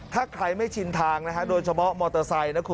ถ้าใครไม่ชินทางโดยเฉพาะมอเตอร์ไซค์